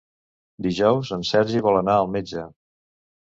Dijous en Sergi vol anar al metge.